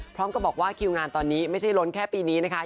พร้อมกับบอกว่าคิวงานตอนนี้ไม่ใช่ล้นแค่ปีนี้นะคะ